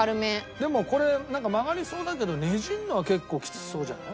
でもこれなんか曲がりそうだけどねじるのは結構きつそうじゃない？